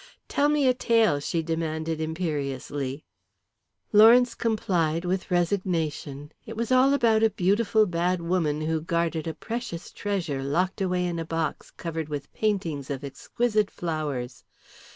"Tell me a tale," she demanded, imperiously. Lawrence complied with resignation. It was all about a beautiful bad woman who guarded a precious treasure locked away in a box covered with paintings of exquisite flowers.